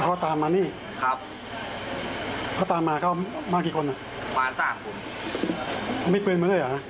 สักประมาณในปุ่ม